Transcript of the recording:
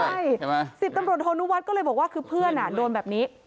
ใช่ใช่ไหมสิบตำรวจโทนลูกวัดก็เลยบอกว่าคือเพื่อนอ่ะโดนแบบนี้